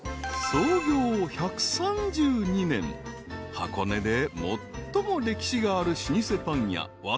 ［箱根で最も歴史がある老舗パン屋］